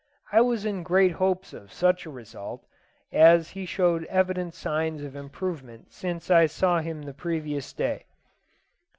I was in great hopes of such a result, as he showed evident signs of improvement since I saw him the previous day.